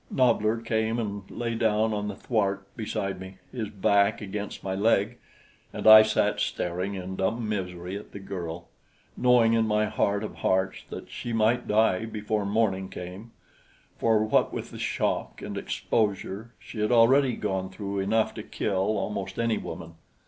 Nobbler came and lay down on the thwart beside me, his back against my leg, and I sat staring in dumb misery at the girl, knowing in my heart of hearts that she might die before morning came, for what with the shock and exposure, she had already gone through enough to kill almost any woman.